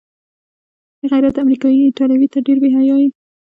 بې غیرته امریکايي ایټالویه، ته ډېر بې حیا یې.